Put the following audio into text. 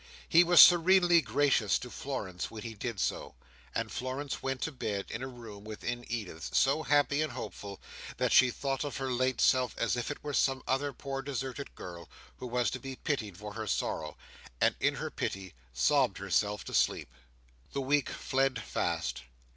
He was serenely gracious to Florence when he did so; and Florence went to bed in a room within Edith's, so happy and hopeful, that she thought of her late self as if it were some other poor deserted girl who was to be pitied for her sorrow; and in her pity, sobbed herself to sleep. The week fled fast.